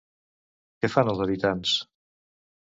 Què fan els habitants?